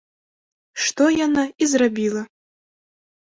Што яна і зрабіла.